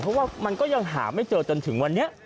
เพราะว่ามันก็ยังหาไม่เจอจนถึงวันนี้